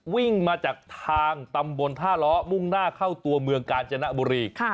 วิ่งมาจากทางตำบลท่าล้อมุ่งหน้าเข้าตัวเมืองกาญจนบุรี